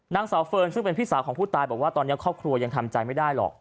นางสาวเฟิร์นซึ่งเป็นพี่สาวของผู้ตายบอกว่าตอนนี้ครอบครัวยังทำใจไม่ได้หรอก